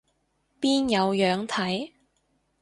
邊有樣睇